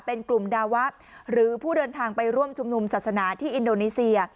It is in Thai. เป็นกลุ่มดาวะหรือผู้เดินทางไปร่วมชุมนุมศาสนาที่อินโดนีเซีย